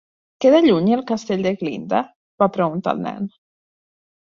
Queda lluny, el Castell de Glinda? va preguntar el nen.